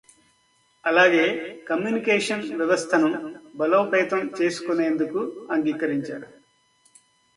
అలాగే కమ్యూనికేషన్ వ్యవస్థను బలోపేతం చేసుకొనేందుకు అంగీకరించారు.